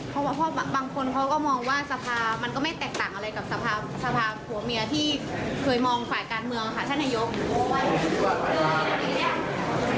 เพราะบางคนเขาก็มองว่าสภามันก็ไม่แตกต่างอะไรกับสภาขัวเมีย